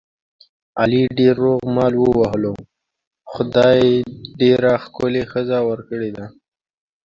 علي ډېر روغ مال ووهلو، خدای ډېره ښه ښکلې ښځه ور کړې ده.